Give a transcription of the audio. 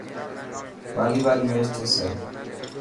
والي بال ميچ ٿيسي.